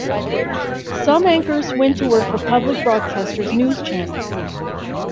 Some anchors went to work for public broadcaster's news channel.